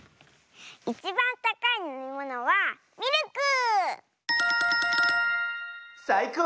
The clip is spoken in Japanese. いちばんたかいのみものはミルク！さいこう！